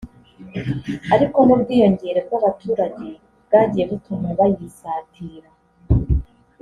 ariko n’ubwiyongere bw’abaturage bwagiye butuma bayisatira